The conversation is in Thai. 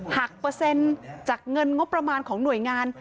เปอร์เซ็นต์จากเงินงบประมาณของหน่วยงาน